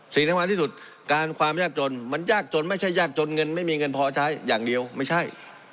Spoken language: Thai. สิ่งสำคัญที่สุดการความยากจนมันยากจนไม่ใช่ยากจนเงินไม่มีเงินพอใช้อย่างเดียวไม่ใช่